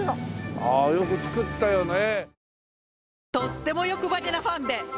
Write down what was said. ああよく造ったよねえ。